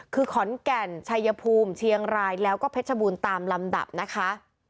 คือขอนแก่นชัยภูมิเชียงรายแล้วก็เพชรบูรณ์ตามลำดับนะคะ